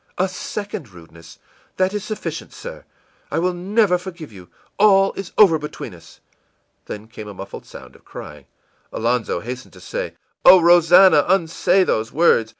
î ìA second rudeness! That is sufficient, sir. I will never forgive you. All is over between us.î Then came a muffled sound of crying. Alonzo hastened to say: ìOh, Rosannah, unsay those words!